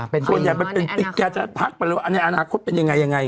เป็นตัวแม่งแกจะทักปรับในอนาคตเป็นยังไงอย่างเนี้ย